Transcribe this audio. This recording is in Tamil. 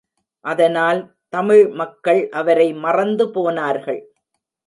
அதனால், தமிழ் மக்கள் அவரை மறந்து போனார்கள்.